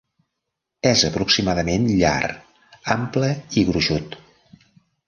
És aproximadament llar, ample i gruixut.